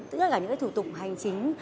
tất cả những thủ tục hành chính